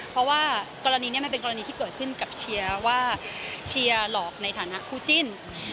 เพราะว่ากรณีนี้มันเป็นกรณีที่เกิดขึ้นกับเชียร์ว่าเชียร์หลอกในฐานะคู่จิ้น